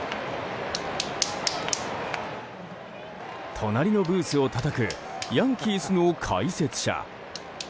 隣のブースをたたくヤンキースの解説者。